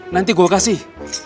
nanti gue kasih